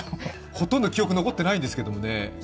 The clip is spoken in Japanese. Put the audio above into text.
ほとんど記憶が残ってないんですけどね。